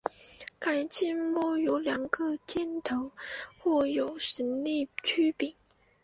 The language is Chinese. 改进的耒有两个尖头或有省力曲柄。